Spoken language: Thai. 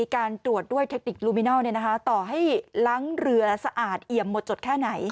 การตรวจด้วยเทคนิคลูมินัลต่อให้ล้างเรือสะอาดเอี่ยมหมดจดแค่ไหน